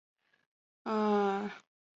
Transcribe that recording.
父亲左贤王刘豹。